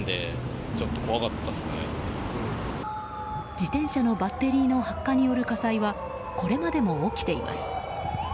自転車のバッテリーの発火による火災はこれまでも起きています。